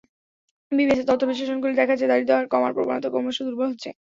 বিবিএসের তথ্য বিশ্লেষণ করলে দেখা যায়, দারিদ্র্য হার কমার প্রবণতা ক্রমশ দুর্বল হচ্ছে।